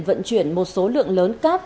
vận chuyển một số lượng lớn cát